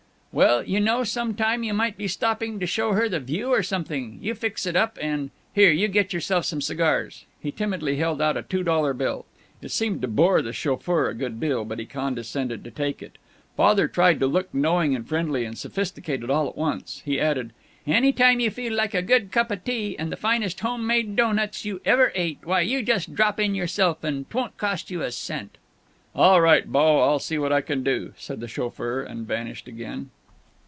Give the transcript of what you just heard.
"Well, you know, some time you might be stopping to show her the view or something you fix it up, and Here, you get yourself some cigars." He timidly held out a two dollar bill. It seemed to bore the chauffeur a good deal, but he condescended to take it. Father tried to look knowing and friendly and sophisticated all at once. He added, "Any time you feel like a good cup o' tea and the finest home made doughnuts you ever ate, why, you just drop in yourself, and 'twon't cost you a cent." "All right, 'bo, I'll see what I can do," said the chauffeur, and vanished again.